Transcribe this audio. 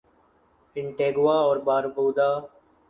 Antigua اور باربودا